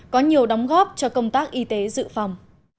có nhiều đóng góp cho công tác y tế dự phòng